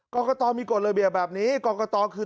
กรกตมีกฎระเบียบแบบนี้กรกตคือ